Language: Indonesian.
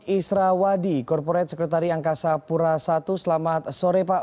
israwadi corporate secretary angkasa pura i selamat sore pak